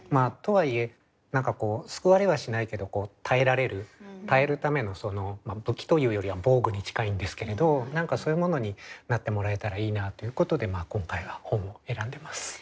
とはいえ何かこう救われはしないけど耐えられる耐えるためのまあ武器というよりは防具に近いんですけれど何かそういうものになってもらえたらいいなということで今回は本を選んでます。